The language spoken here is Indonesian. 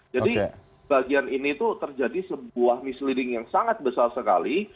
bagian ini tuh terjadi sebuah misleading yang sangat besar sekali